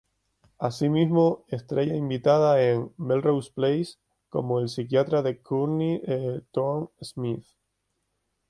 Asimismo, estrella invitada en "Melrose Place" como el psiquiatra de Courtney Thorne-Smith.